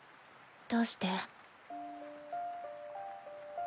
どうして？